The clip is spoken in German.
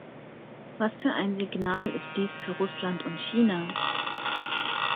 Was für ein Signal ist dies für Russland und China?